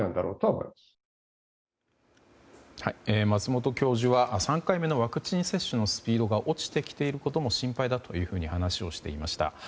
松本教授は、３回目のワクチン接種のスピードが落ちてきていることも心配だというふうに話をしていました。